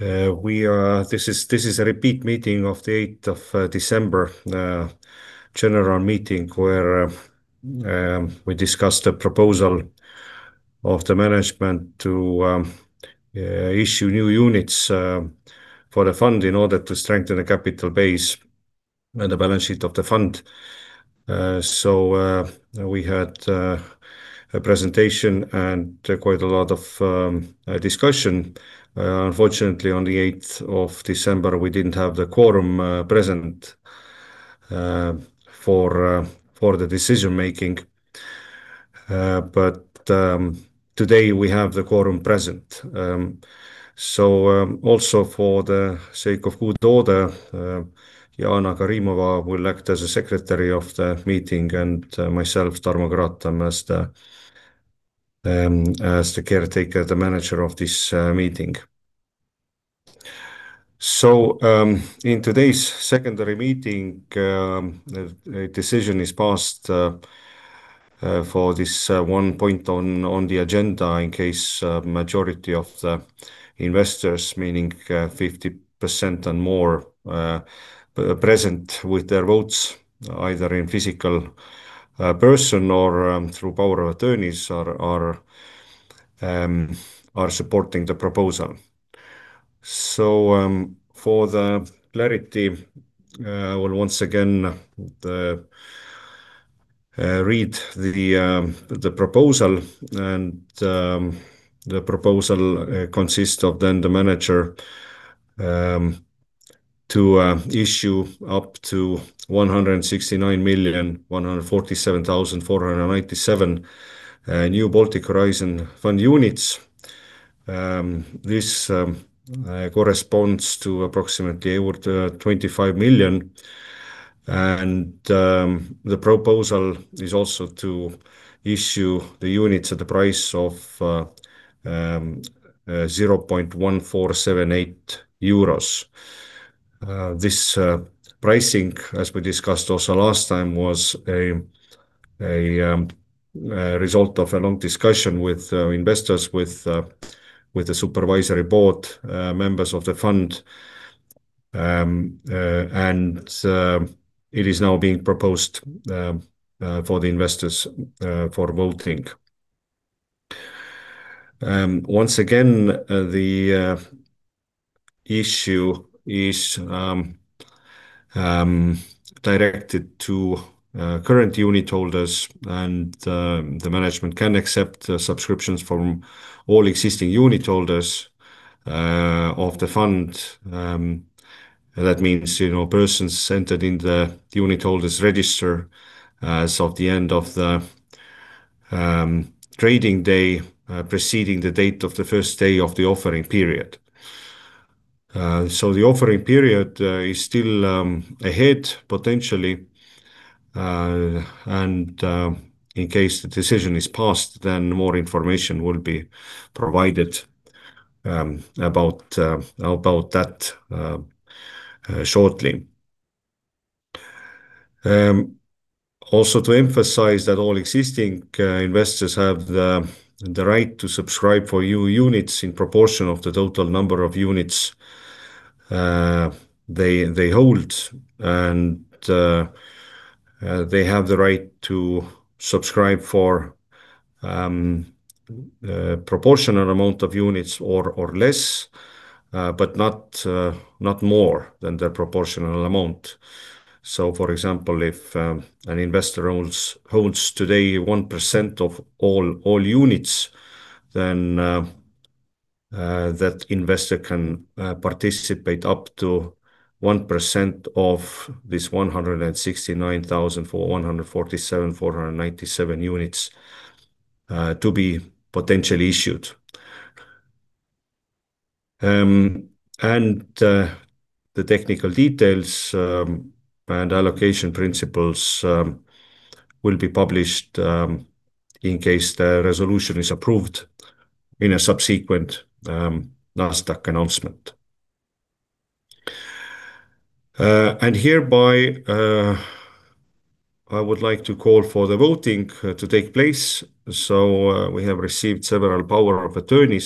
This is a repeat meeting of the 8th of December General Meeting where we discussed the proposal of the management to issue new units for the fund in order to strengthen the capital base and the balance sheet of the fund. We had a presentation and quite a lot of discussion. Unfortunately, on the 8th of December, we didn't have the quorum present for the decision-making, but today we have the quorum present. Also for the sake of good order, Jana Karimova will act as a secretary of the meeting and myself, Tarmo Karotam, as the Chair, the manager of this meeting. In today's secondary meeting, a decision is passed for this one point on the agenda in case majority of the investors, meaning 50% and more, present with their votes, either in person or through powers of attorney, are supporting the proposal. For clarity, I will once again read the proposal, and the proposal consists of the manager to issue up to 169,147,497 new Baltic Horizon Fund units. This corresponds to approximately over 25 million, and the proposal is also to issue the units at the price of 0.1478 euros. This pricing, as we discussed also last time, was a result of a long discussion with investors, with the Supervisory Board members of the fund, and it is now being proposed for the investors for voting. Once again, the issue is directed to current unitholders, and the management can accept subscriptions from all existing unitholders of the fund. That means, you know, persons entered in the unitholders register as of the end of the trading day preceding the date of the first day of the offering period. So the offering period is still ahead, potentially. And in case the decision is passed, then more information will be provided about that shortly. Also to emphasize that all existing investors have the right to subscribe for new units in proportion of the total number of units they hold, and they have the right to subscribe for proportional amount of units or less, but not more than their proportional amount. For example, if an investor owns today 1% of all units, then that investor can participate up to 1% of this 169,447,497 units to be potentially issued. The technical details and allocation principles will be published in case the resolution is approved in a subsequent Nasdaq announcement. Hereby, I would like to call for the voting to take place. We have received several powers of attorney,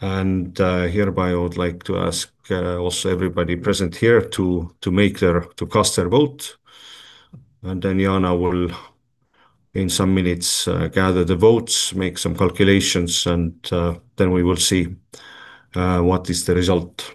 and hereby I would like to ask also everybody present here to cast their vote. Then Jana will in some minutes gather the votes, make some calculations, and then we will see what is the result.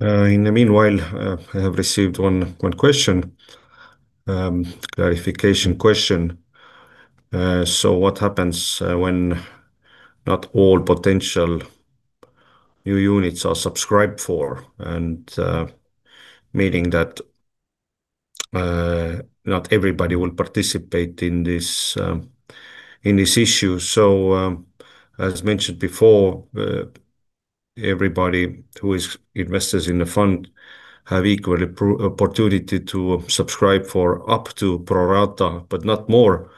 In the meanwhile, I have received one clarification question. So what happens when not all potential new units are subscribed for, meaning that not everybody will participate in this issue? So, as mentioned before, everybody who is investors in the fund have equal opportunity to subscribe for up to pro rata, but not more.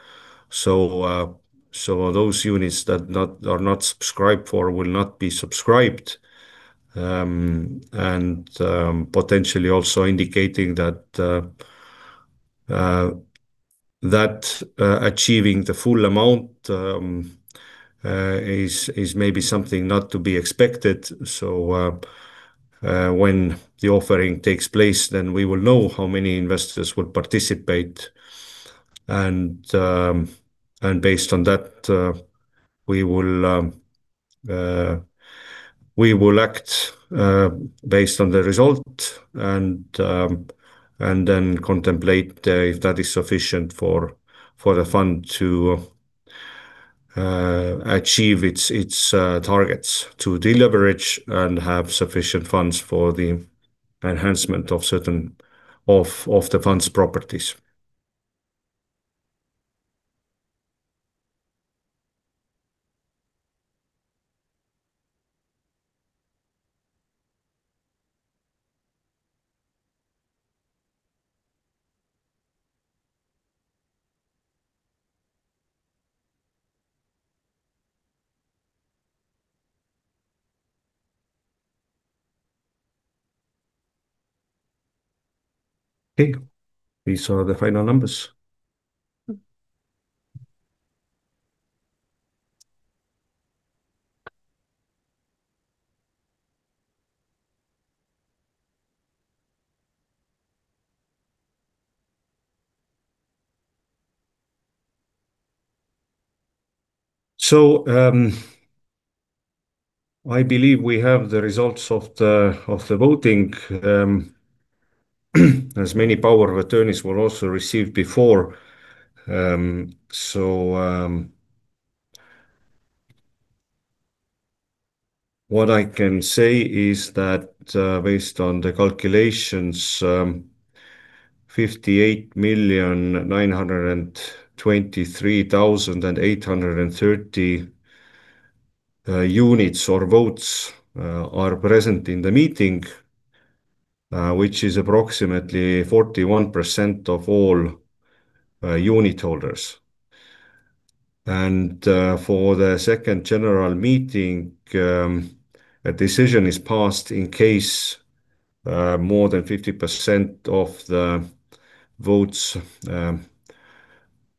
Those units that are not subscribed for will not be subscribed, and potentially also indicating that achieving the full amount is maybe something not to be expected. When the offering takes place, then we will know how many investors will participate, and based on that, we will act based on the result and then contemplate if that is sufficient for the fund to achieve its targets to deleverage and have sufficient funds for the enhancement of certain of the fund's properties. Okay, these are the final numbers. I believe we have the results of the voting, as many powers of attorney were also received before. What I can say is that, based on the calculations, 58,923,830 units or votes are present in the meeting, which is approximately 41% of all unitholders. For the second general meeting, a decision is passed in case more than 50% of the votes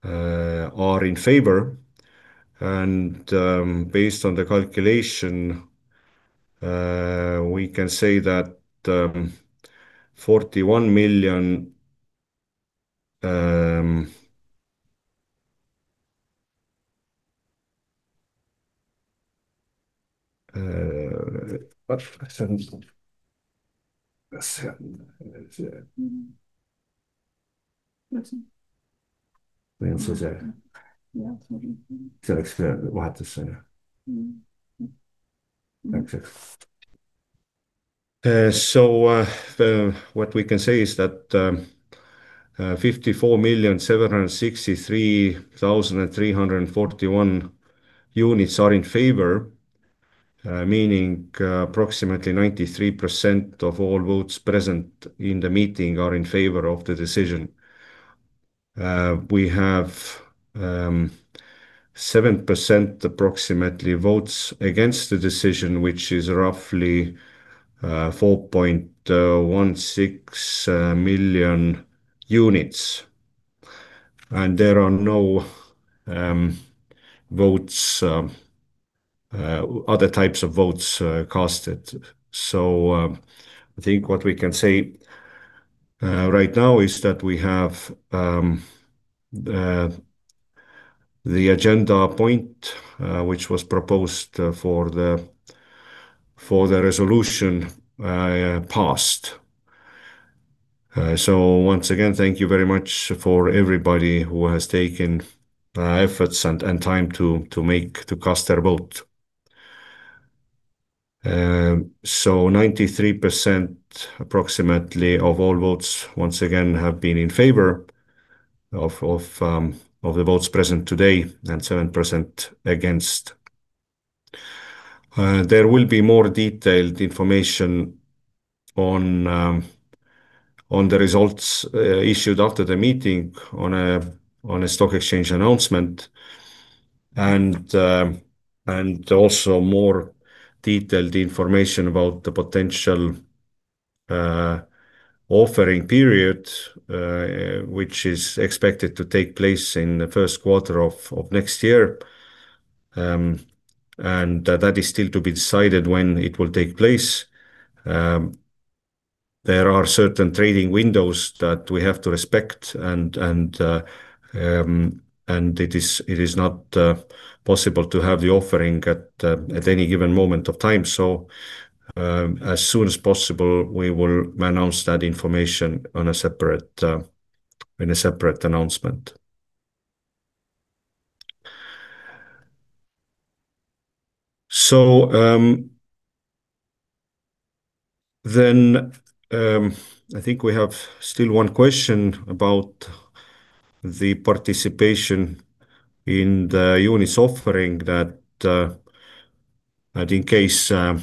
are in favor. Based on the calculation, we can say that units are in favor, meaning approximately 93% of all votes present in the meeting are in favor of the decision. We have 7% approximately votes against the decision, which is roughly 4.16 million units. There are no other types of votes cast. I think what we can say right now is that we have the agenda point, which was proposed for the resolution, passed. Once again, thank you very much for everybody who has taken efforts and time to cast their vote. Approximately 93% of all votes once again have been in favor of the votes present today and 7% against. There will be more detailed information on the results issued after the meeting on a stock exchange announcement, and also more detailed information about the potential offering period, which is expected to take place in the first quarter of next year, and that is still to be decided when it will take place. There are certain trading windows that we have to respect, and it is not possible to have the offering at any given moment of time. As soon as possible, we will announce that information in a separate announcement. So, then, I think we have still one question about the participation in the units offering that in case a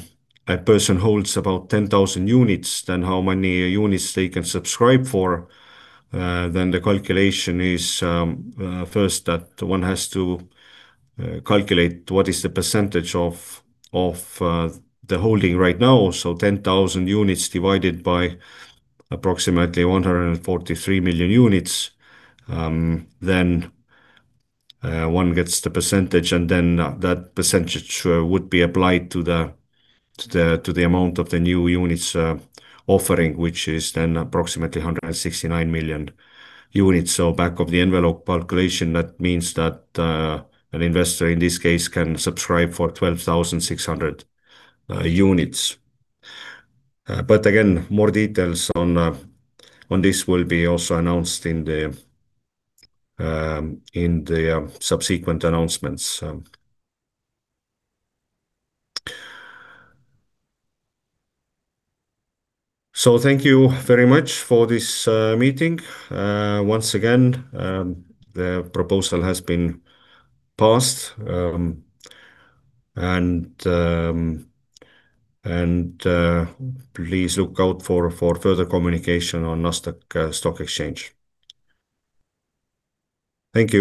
person holds about 10,000 units, then how many units they can subscribe for. Then the calculation is first that one has to calculate what is the percentage of the holding right now. So 10,000 units divided by approximately 143 million units, then one gets the percentage, and then that percentage would be applied to the amount of the new units offering, which is then approximately 169 million units. So back of the envelope calculation, that means that an investor in this case can subscribe for 12,600 units, but again, more details on this will be also announced in the subsequent announcements. Thank you very much for this meeting. Once again, the proposal has been passed, and please look out for further communication on Nasdaq, stock exchange. Thank you.